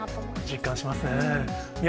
実感しますね。